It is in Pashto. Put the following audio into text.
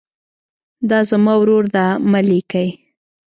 دا زما ورور ده مه لیکئ.